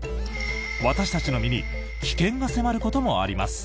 私たちの身に危険が迫ることもあります。